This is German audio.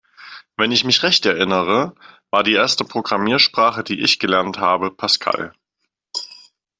Wenn ich mich recht erinnere, war die erste Programmiersprache, die ich gelernt habe, Pascal.